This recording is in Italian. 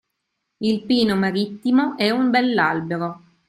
Il pino marittimo è un bell'albero.